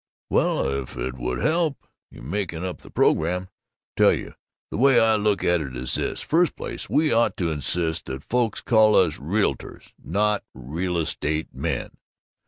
"Well, if it would help you in making up the program Tell you: the way I look at it is this: First place, we ought to insist that folks call us 'realtors' and not 'real estate men.